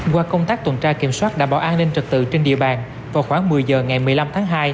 qua công tác tuần tra kiểm soát đảm bảo an ninh trật tự trên địa bàn vào khoảng một mươi giờ ngày một mươi năm tháng hai